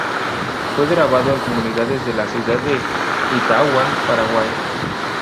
Fue grabado en comunidades de la ciudad de Itauguá, Paraguay.